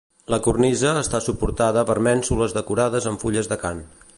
La cornisa està suportada per mènsules decorades amb fulles d'acant.